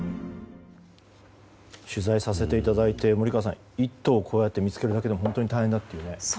取材させていただいて森川さん、こうやって１頭を見つけるだけでも本当に大変だというね。